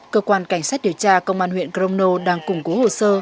cơ quan cảnh sát điều tra công an huyện crono đang củng cố hồ sơ